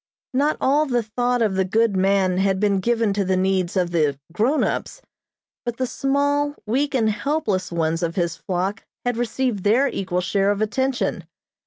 Not all the thought of the good man had been given to the needs of the "grown ups," but the small, weak and helpless ones of his flock had received their equal share of attention.